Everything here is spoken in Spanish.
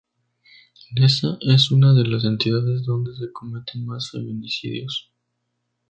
Neza, es una de las entidades donde se cometen más feminicidios.